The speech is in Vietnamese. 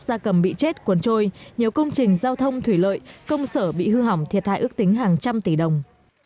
gia cầm bị chết cuốn trôi nhiều công trình giao thông thủy lợi công sở bị hư hỏng thiệt hại ước tính hàng trăm tỷ đồng